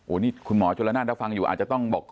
โอ้นี่คุณหมอจรณาถ้าฟังอยู่อาจจะต้องบอก